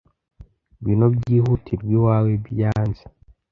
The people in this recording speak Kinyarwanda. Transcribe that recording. ngwino byihutirwa iwawe byanze